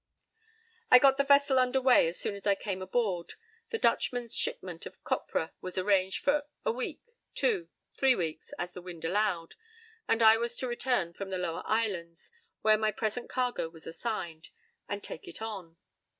p> I got the vessel under way as soon as I came aboard. The Dutchman's shipment of copra was arranged for—a week, two, three weeks (as the wind allowed)—and I was to return from the lower islands, where my present cargo was assigned, and take it on.